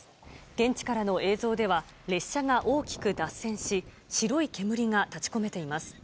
現地からの映像では、列車が大きく脱線し、白い煙が立ちこめています。